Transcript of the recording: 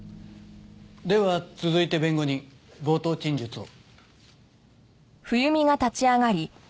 では続いて弁護人冒頭陳述を。